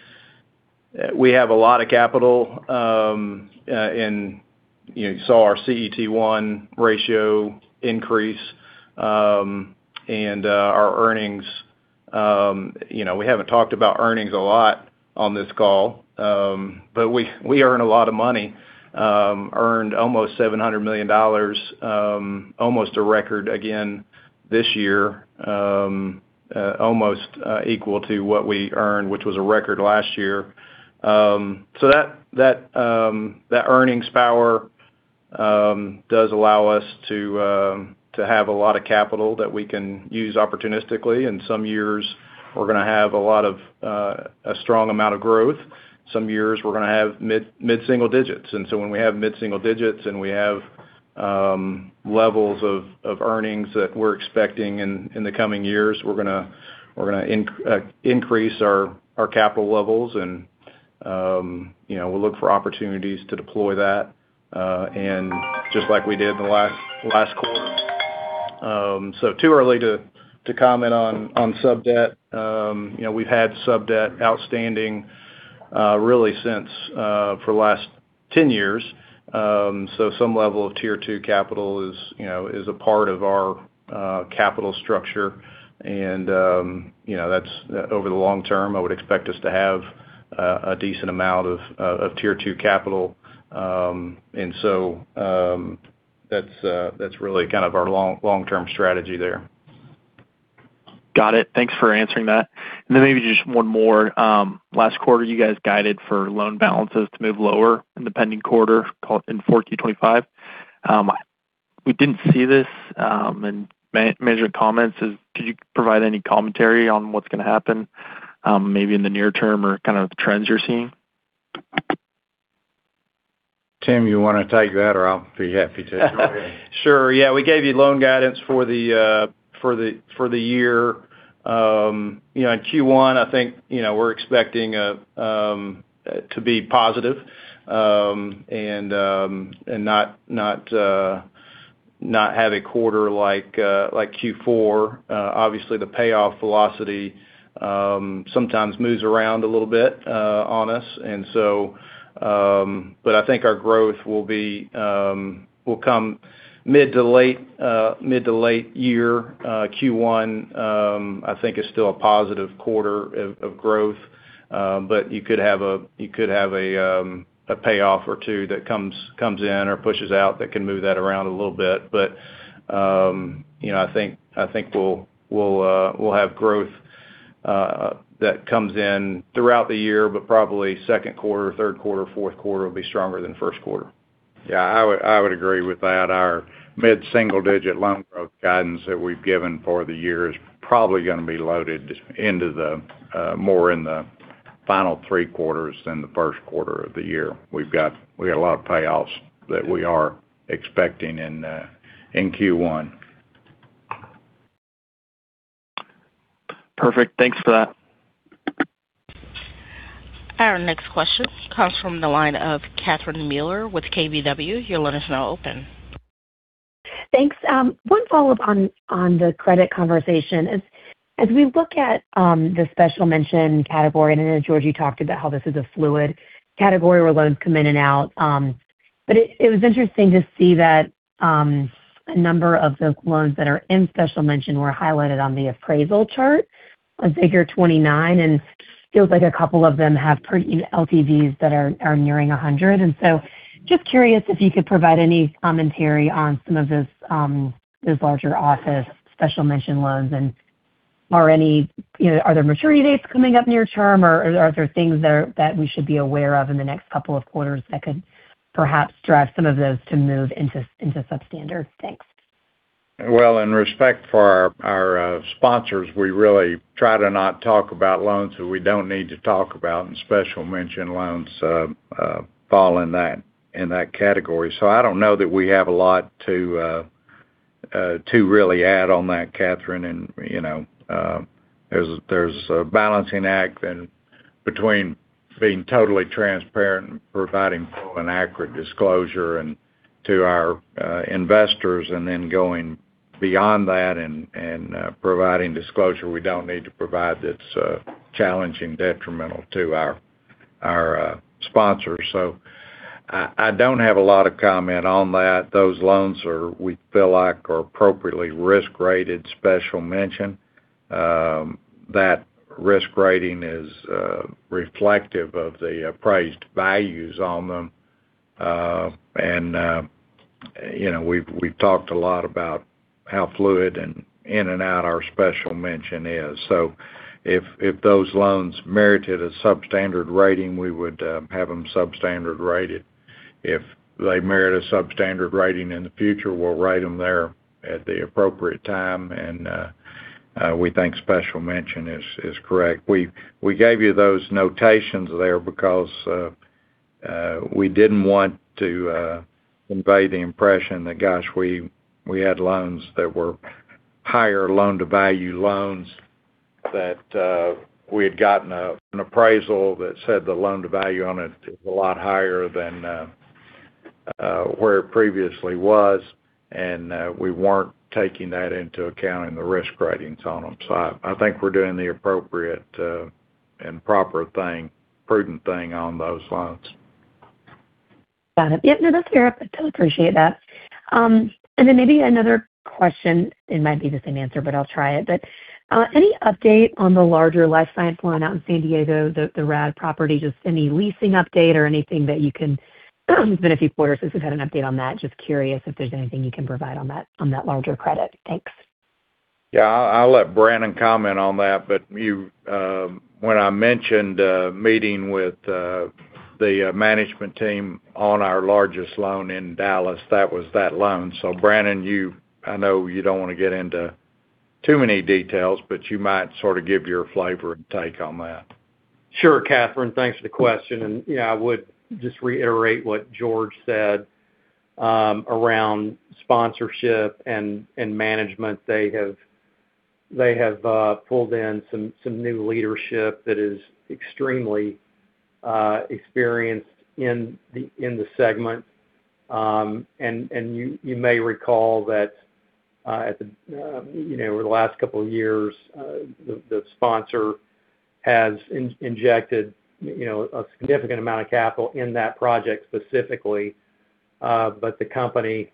have a lot of capital. And you saw our CET1 ratio increase and our earnings. We haven't talked about earnings a lot on this call, but we earn a lot of money. Earned almost $700 million, almost a record again this year, almost equal to what we earned, which was a record last year. So that earnings power does allow us to have a lot of capital that we can use opportunistically. In some years, we're going to have a lot of a strong amount of growth. Some years, we're going to have mid-single digits. When we have mid-single digits and we have levels of earnings that we're expecting in the coming years, we're going to increase our capital levels, and we'll look for opportunities to deploy that, just like we did in the last quarter. Too early to comment on subdebt. We've had subdebt outstanding really since for the last 10 years. Some level of Tier 2 capital is a part of our capital structure. That's over the long term. I would expect us to have a decent amount of Tier 2 capital. That's really kind of our long-term strategy there. Got it. Thanks for answering that. And then maybe just one more. Last quarter, you guys guided for loan balances to move lower in the fourth quarter in 2024, 2025. We didn't see this in management comments. Could you provide any commentary on what's going to happen maybe in the near term or kind of the trends you're seeing? Tim, you want to take that, or I'll be happy to. Sure. Yeah. We gave you loan guidance for the year. In Q1, I think we're expecting to be positive and not have a quarter like Q4. Obviously, the payoff velocity sometimes moves around a little bit on us, but I think our growth will come mid to late year. Q1, I think, is still a positive quarter of growth, but you could have a payoff or two that comes in or pushes out that can move that around a little bit, but I think we'll have growth that comes in throughout the year, but probably second quarter, third quarter, fourth quarter will be stronger than first quarter. Yeah, I would agree with that. Our mid-single digit loan growth guidance that we've given for the year is probably going to be loaded into more in the final three quarters than the first quarter of the year. We've got a lot of payoffs that we are expecting in Q1. Perfect. Thanks for that. Our next question comes from the line of Catherine Mealor with KBW. Please go ahead. Thanks. One follow-up on the credit conversation. As we look at the special mention category, and I know, George, you talked about how this is a fluid category where loans come in and out. But it was interesting to see that a number of the loans that are in special mention were highlighted on the appraisal chart, Figure 29. And it feels like a couple of them have pretty LTVs that are nearing 100. And so just curious if you could provide any commentary on some of those larger office special mention loans. And are there maturity dates coming up near term, or are there things that we should be aware of in the next couple of quarters that could perhaps drive some of those to move into substandard? Thanks. In respect for our sponsors, we really try to not talk about loans that we don't need to talk about, and special mention loans fall in that category, so I don't know that we have a lot to really add on that, Catherine. There's a balancing act between being totally transparent and providing full and accurate disclosure to our investors, and then going beyond that and providing disclosure we don't need to provide that's challenging, detrimental to our sponsors, so I don't have a lot of comment on that. Those loans we feel like are appropriately risk-rated special mention. That risk rating is reflective of the appraised values on them. We've talked a lot about how fluid and in and out our special mention is, so if those loans merited a substandard rating, we would have them substandard rated. If they merit a substandard rating in the future, we'll rate them there at the appropriate time. And we think special mention is correct. We gave you those notations there because we didn't want to convey the impression that, gosh, we had loans that were higher loan-to-value loans that we had gotten an appraisal that said the loan-to-value on it is a lot higher than where it previously was. And we weren't taking that into account in the risk ratings on them. So I think we're doing the appropriate and proper thing, prudent thing on those loans. Got it. Yep. No, that's fair. I do appreciate that. And then maybe another question. It might be the same answer, but I'll try it. But any update on the larger life science line out in San Diego, the RaDD property, just any leasing update or anything that you can? It's been a few quarters since we've had an update on that. Just curious if there's anything you can provide on that larger credit. Thanks. Yeah. I'll let Brannon comment on that. But when I mentioned meeting with the management team on our largest loan in Dallas, that was that loan. So Brannon, I know you don't want to get into too many details, but you might sort of give your flavor and take on that. Sure, Catherine. Thanks for the question. And I would just reiterate what George said around sponsorship and management. They have pulled in some new leadership that is extremely experienced in the segment. And you may recall that over the last couple of years, the sponsor has injected a significant amount of capital in that project specifically. But the company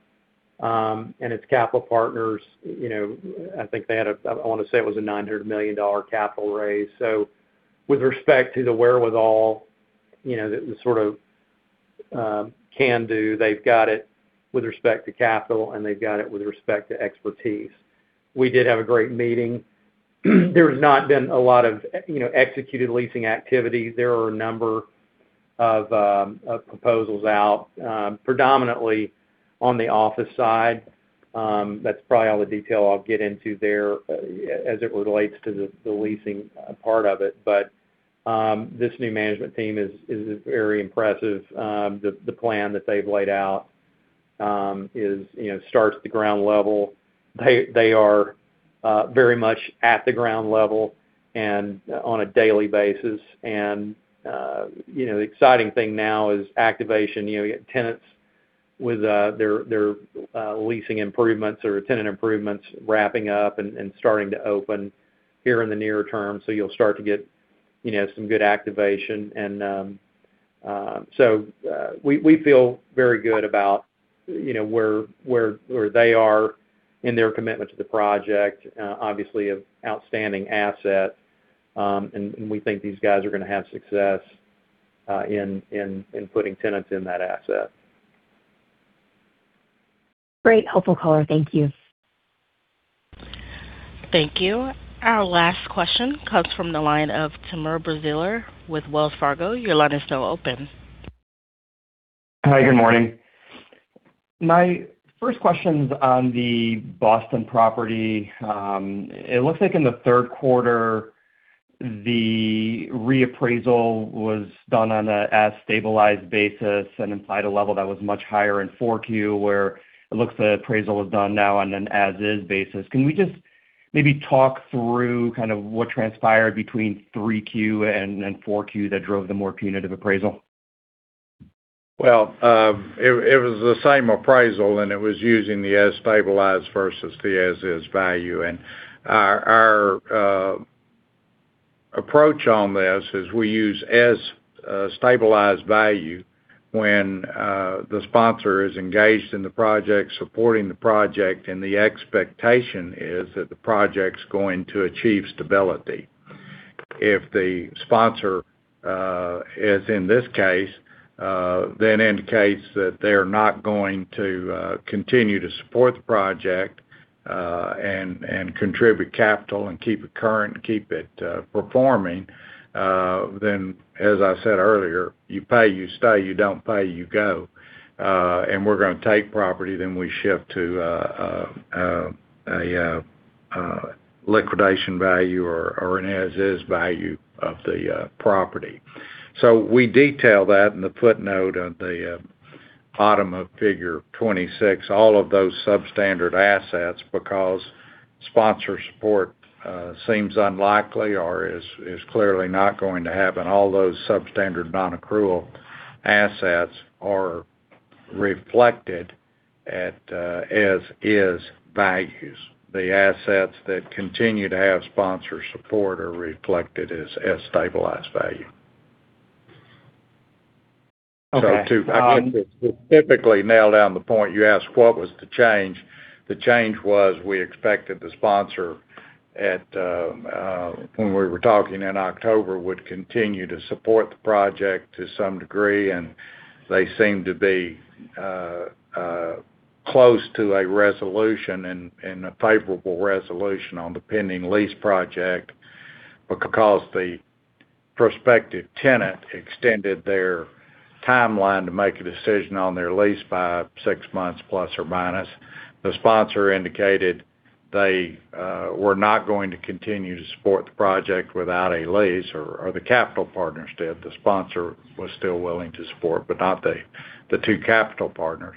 and its capital partners, I think they had a—I want to say it was a $900 million capital raise. So with respect to the wherewithal, the sort of can-do, they've got it with respect to capital, and they've got it with respect to expertise. We did have a great meeting. There has not been a lot of executed leasing activity. There are a number of proposals out, predominantly on the office side. That's probably all the detail I'll get into there as it relates to the leasing part of it. But this new management team is very impressive. The plan that they've laid out starts at the ground level. They are very much at the ground level and on a daily basis. And the exciting thing now is activation. You have tenants with their leasing improvements or tenant improvements wrapping up and starting to open here in the near term. So you'll start to get some good activation. And so we feel very good about where they are in their commitment to the project, obviously of outstanding assets. And we think these guys are going to have success in putting tenants in that asset. Great. Helpful color. Thank you. Thank you. Our last question comes from the line of Timur Braziler with Wells Fargo. Your line is now open. Hi, good morning. My first question's on the Boston property. It looks like in the third quarter, the reappraisal was done on an as-stabilized basis and implied a level that was much higher in 4Q, where it looks the appraisal was done now on an as-is basis. Can we just maybe talk through kind of what transpired between 3Q and 4Q that drove the more punitive appraisal? It was the same appraisal, and it was using the as-stabilized versus the as-is value. And our approach on this is we use as-stabilized value when the sponsor is engaged in the project, supporting the project, and the expectation is that the project's going to achieve stability. If the sponsor is, in this case, then indicates that they're not going to continue to support the project and contribute capital and keep it current and keep it performing, then, as I said earlier, you pay, you stay. You don't pay, you go. And we're going to take property, then we shift to a liquidation value or an as-is value of the property. So we detail that in the footnote at the bottom of Figure 26, all of those substandard assets because sponsor support seems unlikely or is clearly not going to happen. All those substandard non-accrual assets are reflected at as-is values. The assets that continue to have sponsor support are reflected as as-stabilized value. So to specifically nail down the point, you asked what was the change. The change was we expected the sponsor when we were talking in October would continue to support the project to some degree. And they seem to be close to a resolution and a favorable resolution on the pending lease project because the prospective tenant extended their timeline to make a decision on their lease by six months plus or minus. The sponsor indicated they were not going to continue to support the project without a lease, or the capital partners did. The sponsor was still willing to support, but not the two capital partners.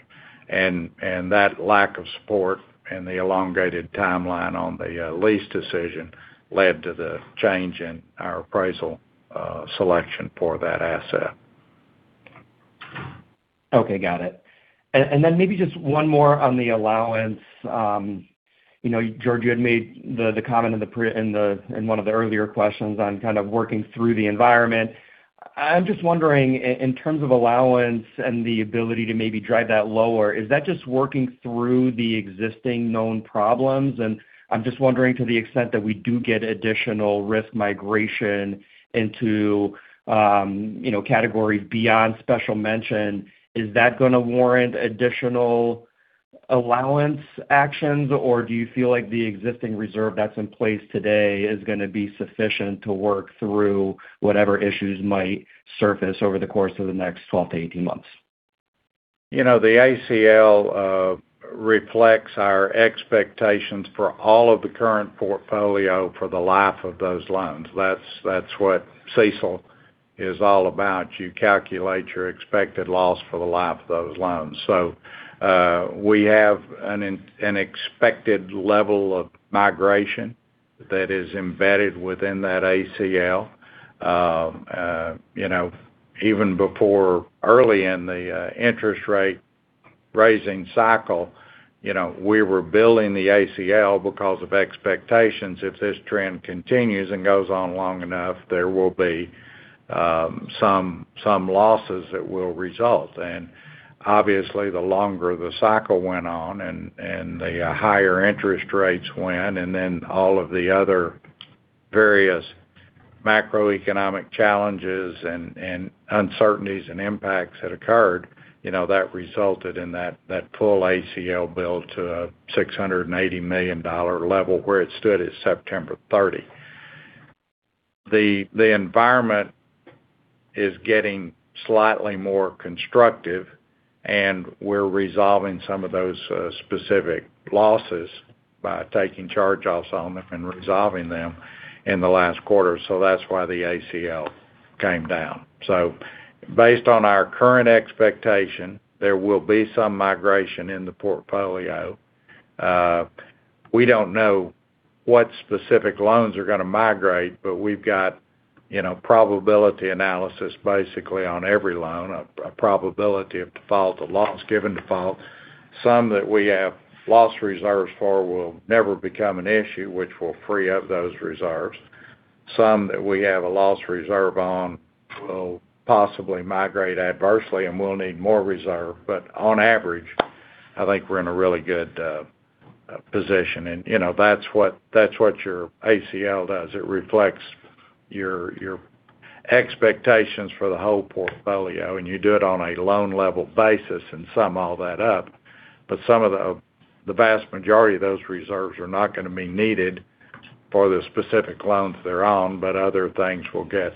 That lack of support and the elongated timeline on the lease decision led to the change in our appraisal selection for that asset. Okay. Got it. And then maybe just one more on the allowance. George, you had made the comment in one of the earlier questions on kind of working through the environment. I'm just wondering, in terms of allowance and the ability to maybe drive that lower, is that just working through the existing known problems? And I'm just wondering to the extent that we do get additional risk migration into categories beyond special mention, is that going to warrant additional allowance actions, or do you feel like the existing reserve that's in place today is going to be sufficient to work through whatever issues might surface over the course of the next 12 months to 18 months? The ACL reflects our expectations for all of the current portfolio for the life of those loans. That's what CECL is all about. You calculate your expected loss for the life of those loans, so we have an expected level of migration that is embedded within that ACL. Even before, early in the interest rate raising cycle, we were building the ACL because of expectations. If this trend continues and goes on long enough, there will be some losses that will result. And obviously, the longer the cycle went on and the higher interest rates went, and then all of the other various macroeconomic challenges and uncertainties and impacts that occurred, that resulted in that full ACL build to a $680 million level where it stood at September 30. The environment is getting slightly more constructive, and we're resolving some of those specific losses by taking charge-offs on them and resolving them in the last quarter. So that's why the ACL came down. So based on our current expectation, there will be some migration in the portfolio. We don't know what specific loans are going to migrate, but we've got probability analysis basically on every loan, a probability of default or loss-given default. Some that we have loss reserves for will never become an issue, which will free up those reserves. Some that we have a loss reserve on will possibly migrate adversely and will need more reserve. But on average, I think we're in a really good position. And that's what your ACL does. It reflects your expectations for the whole portfolio. And you do it on a loan-level basis and sum all that up. But some of the vast majority of those reserves are not going to be needed for the specific loans they're on, but other things will get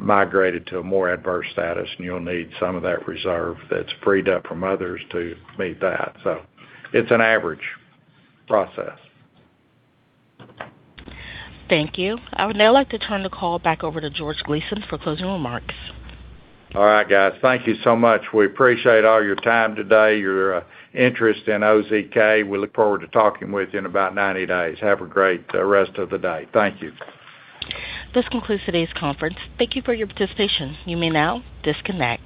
migrated to a more adverse status, and you'll need some of that reserve that's freed up from others to meet that. So it's an average process. Thank you. I would now like to turn the call back over to George Gleason for closing remarks. All right, guys. Thank you so much. We appreciate all your time today, your interest in OZK. We look forward to talking with you in about 90 days. Have a great rest of the day. Thank you. This concludes today's conference. Thank you for your participation. You may now disconnect.